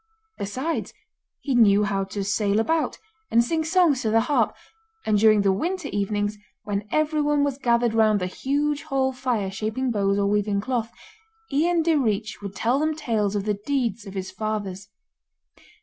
Besides, he knew how to sail about, and sing songs to the harp, and during the winter evenings, when everyone was gathered round the huge hall fire shaping bows or weaving cloth, Ian Direach would tell them tales of the deeds of his fathers.